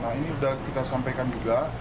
nah ini sudah kita sampaikan juga